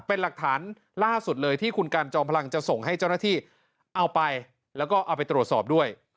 เป็นหลักฐานล่าสุดเลยที่คุณกันจอมพลังจะส่งให้เจ้าหน้าที่เอาไปแล้วก็เอาไปตรวจสอบด้วย